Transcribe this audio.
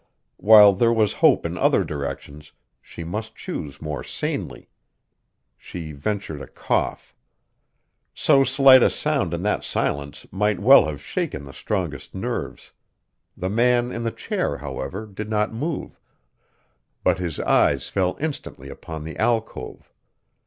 While there was hope in other directions, she must choose more sanely. She ventured a cough. So slight a sound in that silence might well have shaken the strongest nerves. The man in the chair, however, did not move, but his eyes fell instantly upon the alcove.